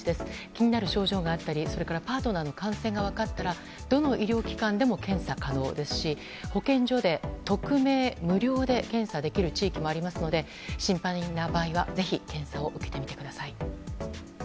気になる症状があったりパートナーの感染が分かったらどの医療機関でも検査可能ですし保健所で匿名、無料で検査できる地域もありますので心配な場合はぜひ検査を受けてみてください。